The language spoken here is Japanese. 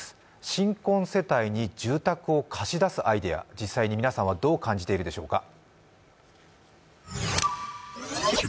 新婚世帯に住宅を貸し出すアイデア、実際に皆さんはどう感じているでしょうか。